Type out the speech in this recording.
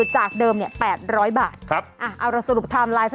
ใช้เมียได้ตลอด